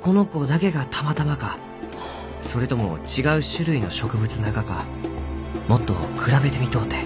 この子だけがたまたまかそれとも違う種類の植物ながかもっと比べてみとうて」。